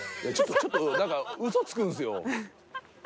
ちょっと何か嘘つくんですよ。